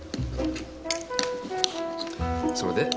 それで？